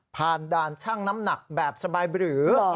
ด่านช่างน้ำหนักแบบสบายบรือ